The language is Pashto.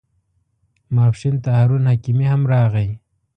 ماپښین ته هارون حکیمي هم راغی.